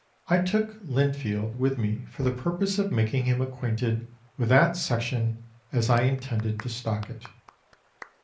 I took Linfield with me for the purpose of making him acquainted with that section, as I intended to stock it.